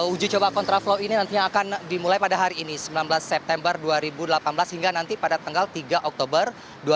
uji coba kontraflow ini nantinya akan dimulai pada hari ini sembilan belas september dua ribu delapan belas hingga nanti pada tanggal tiga oktober dua ribu delapan belas